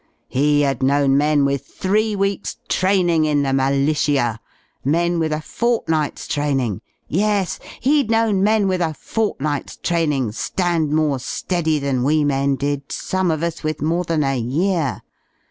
He had known men with three weeks'* traming in the malisshyer — men with a fortnight* s traming: yes y he d f known men with a fortnight* s training Stand more Steady than we men did^ some ofuSy with more than a year.